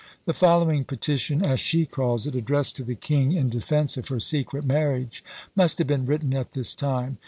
The following "petition," as she calls it, addressed to the king in defence of her secret marriage, must have been written at this time.